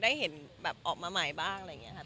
ได้เห็นแบบออกมาใหม่บ้างอะไรอย่างนี้ค่ะ